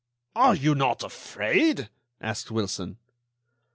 "Are you not afraid!" asked Wilson.